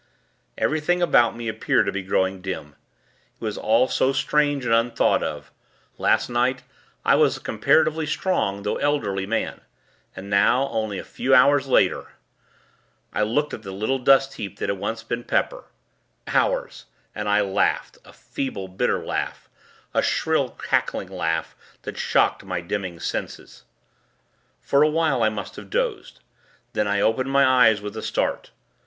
Everything about me appeared to be growing dim. It was all so strange and unthought of. Last night, I was a comparatively strong, though elderly man; and now, only a few hours later ! I looked at the little dust heap that had once been Pepper. Hours! and I laughed, a feeble, bitter laugh; a shrill, cackling laugh, that shocked my dimming senses. For a while, I must have dozed. Then I opened my eyes, with a start.